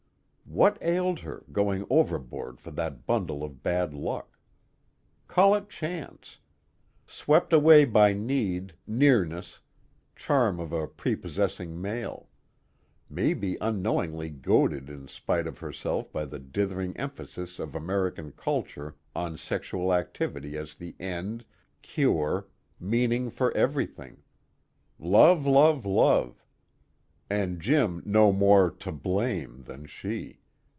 What ailed her, going overboard for that bundle of bad luck? Call it chance. Swept away by need, nearness, charm of a prepossessing male; maybe unknowingly goaded in spite of herself by the dithering emphasis of American culture on sexual activity as the end, cure, meaning for everything: luv luv luv. And Jim no more "to blame" than she.